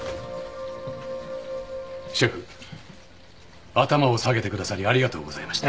シェフ頭を下げてくださりありがとうございました。